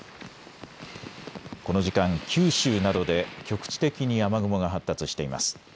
この時間、九州などで局地的に雨雲が発達しています。